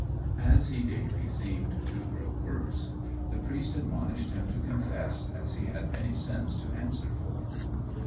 As he daily seemed to grow worse, the Priest admonished him to confess, as he had many sins to answer for.